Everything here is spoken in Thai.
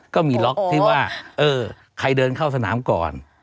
ก็มีล็อกที่ว่าเออใครเดินเข้าสนามก่อน